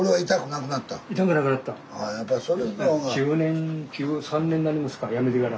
１０年１３年になりますかやめてから。